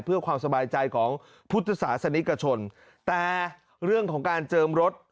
เพื่อความสบายใจของพุทธศาสนิกชนแต่เรื่องของการเจิมรถ